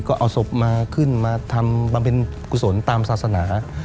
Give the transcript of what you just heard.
ก็เอาศพมาขึ้นมาทำบำเพ็ญกุศลตามศาสนา